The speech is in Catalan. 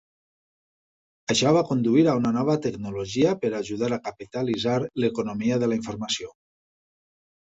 Això va conduir a una nova tecnologia per ajudar a capitalitzar l'economia de la informació.